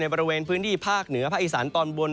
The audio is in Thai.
บริเวณพื้นที่ภาคเหนือภาคอีสานตอนบน